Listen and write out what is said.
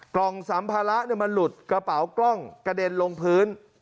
กล่องสัมภาระมันหลุดกระเป๋ากล้องกระเด็นลงพื้น